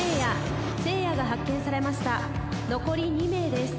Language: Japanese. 残り２名です。